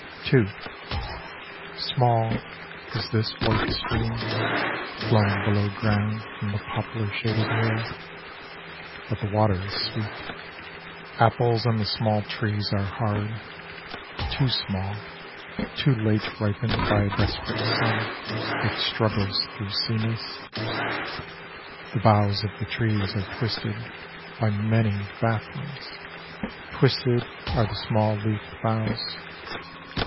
IISmall isThis white stream, Flowing below groundFrom the poplar shaded hill, But the water is sweet. Apples on the small treesAre hard, Too small, Too late ripenedBy a desperate sunThat struggles through sea mist. The boughs of the treesAre twistedBy many bafflings; Twisted areThe small leafed boughs.